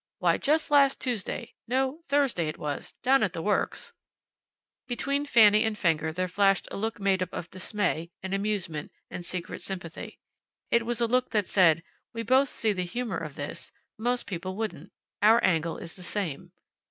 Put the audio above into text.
Why, just last Tuesday no, Thursday it was down at the works " Between Fanny and Fenger there flashed a look made up of dismay, and amusement, and secret sympathy. It was a look that said, "We both see the humor of this. Most people wouldn't. Our angle is the same."